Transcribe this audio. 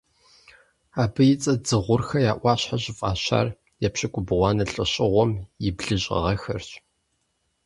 Абы и цӏэр Дзыгъурхэ я ӏуащхьэ щыфӏащар епщыкӏубгъуанэ лӏэщӏыгъуэм и блыщӏ гъэхэрщ.